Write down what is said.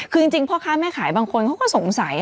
คือจริงพ่อค้าแม่ขายบางคนเขาก็สงสัย